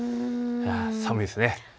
寒いですね。